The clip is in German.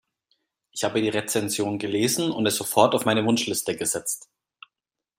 Ich hab die Rezension gelesen und es sofort auf meine Wunschliste gesetzt.